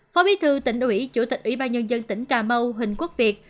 phó bí thư tỉnh ủy chủ tịch ủy ban nhân dân tỉnh cà mau huỳnh quốc việt